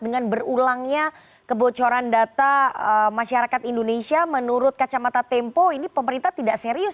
dengan berulangnya kebocoran data masyarakat indonesia menurut kacamata tempo ini pemerintah tidak serius